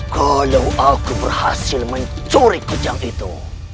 kalau aku berhasil mencuri kujang itu